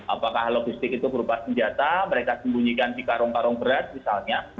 apakah logistik itu berupa senjata mereka sembunyikan di karung karung berat misalnya